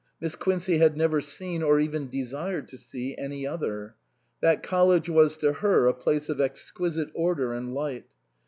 Miss Quincey had never seen, or even desired to see any other. That college was to her a place of exquisite order and light.